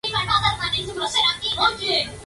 Luego nos fuimos de gira.